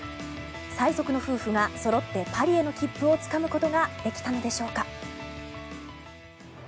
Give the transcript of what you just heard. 最速の夫婦が、そろってパリへの切符をつかむことができたのでしょうか。